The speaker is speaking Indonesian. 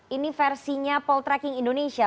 ini versinya poll tracking indonesia